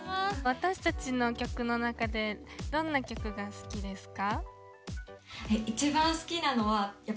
私たちの曲の中でどんな曲が好きですか？